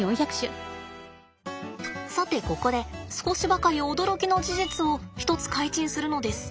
さてここで少しばかり驚きの事実を一つ開陳するのです。